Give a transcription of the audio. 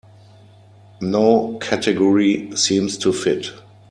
No category seems to fit.